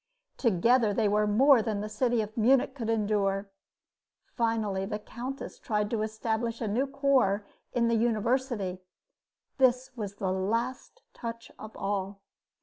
Together, they were more than the city of Munich could endure. Finally the countess tried to establish a new corps in the university. This was the last touch of all.